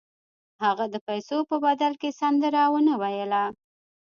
هغه د پیسو په بدل کې سندره ونه ویله